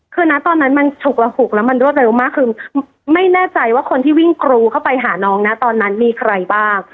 คือนะตอนนั้นมันฉุกระหุกแล้วมันรวดเร็วมากคือไม่แน่ใจว่าคนที่วิ่งกรูเข้าไปหาน้องนะตอนนั้นมีใครบ้าง